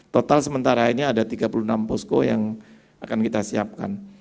total sementara ini ada tiga puluh enam posko yang akan kita siapkan